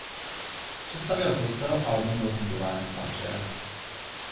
Přestavěl kostel a obnovil fungování kláštera.